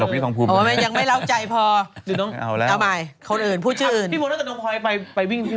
บิ๊กทองภูมิไปด้วย